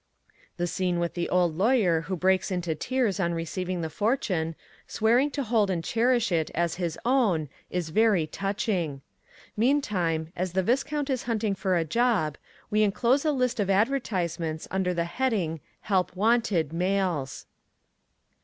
The scene with the old lawyer who breaks into tears on receiving the fortune, swearing to hold and cherish it as his own is very touching. Meantime, as the Viscount is hunting for a job, we enclose a list of advertisements under the heading Help Wanted Males.